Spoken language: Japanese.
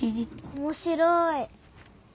おもしろい！